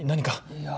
いや。